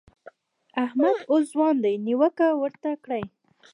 احمد اوس ځوان دی؛ نيوکه ورته کړئ.